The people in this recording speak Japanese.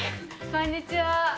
こんにちは。